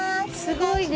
すごいね。